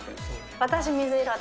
私、水色で。